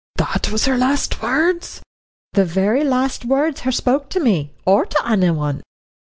'" "That was her last words?" "The very last words her spoke to me or to anyone."